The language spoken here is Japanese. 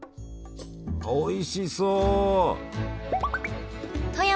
おいしそう！